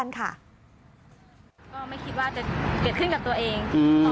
ก็ไม่คิดว่าจะเกิดขึ้นกับตัวเอง